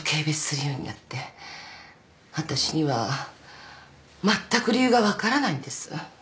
わたしにはまったく理由が分からないんです。